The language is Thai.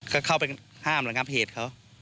ก็เข้าไปห้ามระงับเหตุเขา